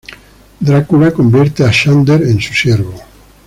Drácula convierte a Xander en su siervo.